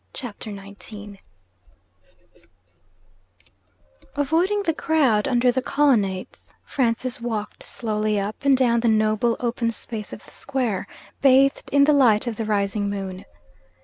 CHAPTER XIX Avoiding the crowd under the colonnades, Francis walked slowly up and down the noble open space of the square, bathed in the light of the rising moon.